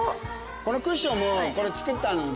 このクッションもこれ作ったので。